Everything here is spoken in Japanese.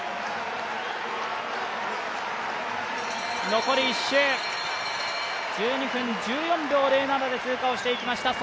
残り１周、１２分１４秒０７で通過していきました。